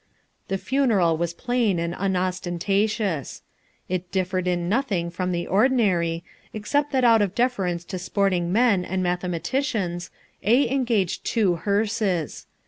The funeral was plain and unostentatious. It differed in nothing from the ordinary, except that out of deference to sporting men and mathematicians, A engaged two hearses.